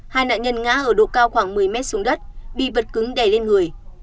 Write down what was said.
hai nạn nhân ngã ở độ cao khoảng một mươi mét xuống đất bị vật cứng đè lên người